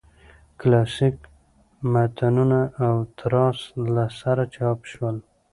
کلاسیک متنونه او تراث له سره چاپ شول.